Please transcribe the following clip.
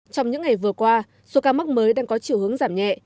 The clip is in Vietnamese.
trong những ngày vừa qua số ca mắc mới đang có chiều hướng giảm nhẹ